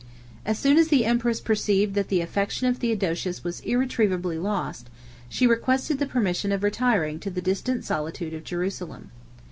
77 As soon as the empress perceived that the affection of Theodosius was irretrievably lost, she requested the permission of retiring to the distant solitude of Jerusalem.